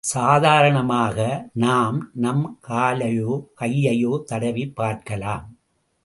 சாதாரணமாக நாம் நம் காலையோ கையையோ தடவிப் பார்க்கலாம்.